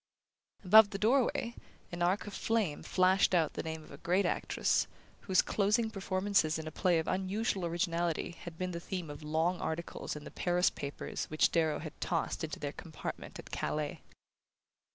Above the doorway, an arch of flame flashed out the name of a great actress, whose closing performances in a play of unusual originality had been the theme of long articles in the Paris papers which Darrow had tossed into their compartment at Calais.